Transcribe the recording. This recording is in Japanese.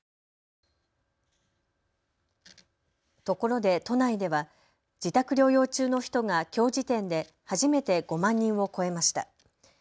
ところで都内では自宅療養中の人がきょう時点で初めて５万人を超えました。